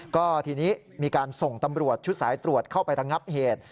ก็ทีนี้มีการส่งตำรวจชุดสายตรวจเข้าไประงับเหตุ